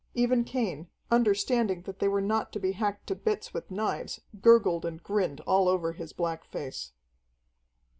Even Cain, understanding that they were not to be hacked to bits with knives, gurgled and grinned all over his black face.